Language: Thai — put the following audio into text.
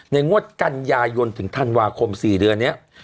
ในงวดกันยายนถึงท่านวาคม๔เดือนเนี่ย